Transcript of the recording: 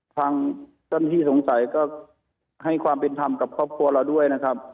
ทางเจ้าหน้าที่สงสัยก็ให้ความเป็นธรรมกับครอบครัวเราด้วยนะครับ